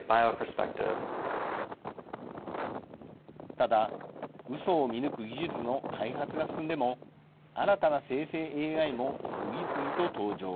ただ、うそを見抜く技術の開発が進んでも、新たな生成ＡＩも次々と登場。